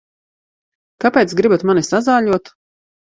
Kāpēc gribat mani sazāļot?